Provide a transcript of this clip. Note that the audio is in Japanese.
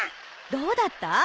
どうだった？